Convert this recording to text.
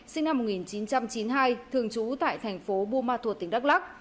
sinh năm một nghìn chín trăm chín mươi hai thường trú tại tp bua ma thuật tỉnh đắk lắc